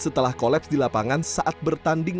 setelah kolaps di lapangan saat bertanding